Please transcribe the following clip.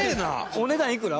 お値段いくら？